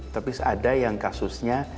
tapi ada yang kasusnya